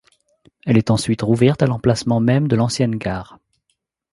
Elle est ensuite rouverte à l'emplacement même de l'ancienne gare.